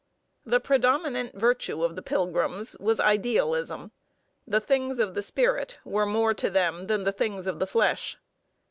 The predominant virtue of the Pilgrims was idealism. The things of the spirit were more to them than the things of the flesh.